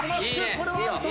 これはアウト。